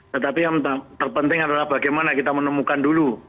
tetapi yang terpenting adalah bagaimana kita menemukan dulu